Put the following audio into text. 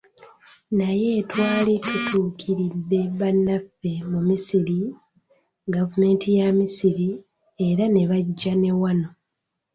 Naye twali tutuukiridde bannaffe mu Misiri, Gavumenti ya Misiri, era ne bajja ne wano.